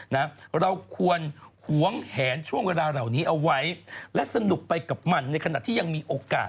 นะเราควรหวงแหนช่วงเวลาเหล่านี้เอาไว้และสนุกไปกับมันในขณะที่ยังมีโอกาส